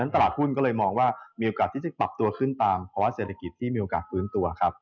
ตลาดหุ้นก็เลยมองว่ามีโอกาสที่จะปรับตัวขึ้นตามภาวะเศรษฐกิจที่มีโอกาสฟื้นตัวครับ